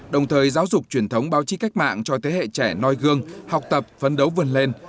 đồng thời giáo dục truyền thống báo chí cách mạng cho thế hệ trẻ noi gương học tập phấn đấu vươn lên